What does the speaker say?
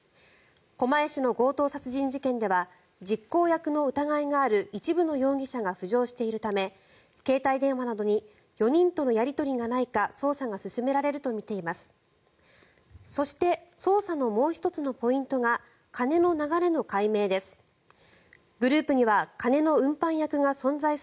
狛江市の強盗殺人事件では実行役の疑いがある一部の容疑者が浮上しているため携帯電話などに４人とのやり取りがないか捜査が進められるとみています。